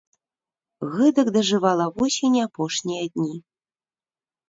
Гэтак дажывала восень апошнія дні.